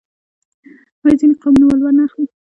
آیا ځینې قومونه ولور نه اخلي؟